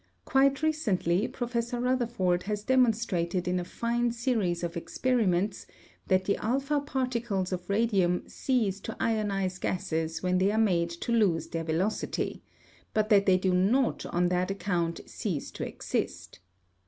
Quite recently, Professor Rutherford has demonstrated in a fine series of experiments that the alpha particles of radium cease to ionize gases when they are made to lose their velocity, but that they do not on that account cease to exist.